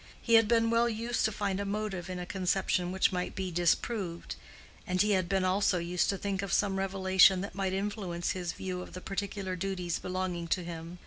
He had been well used to find a motive in a conception which might be disproved; and he had been also used to think of some revelation that might influence his view of the particular duties belonging to him.